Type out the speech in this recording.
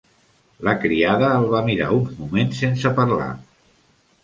La criada el va mirar uns moments sense parlar.